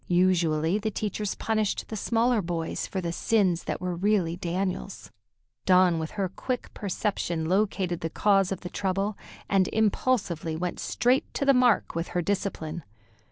Usually, the teachers punished the smaller boys for the sins that were really Daniel's. Dawn, with her quick perception, located the cause of the trouble, and impulsively went straight to the mark with her discipline.